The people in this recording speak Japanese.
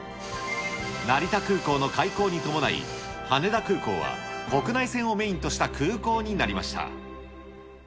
成田空港の開港に伴い、羽田空港は国内線をメインとした空港になりました。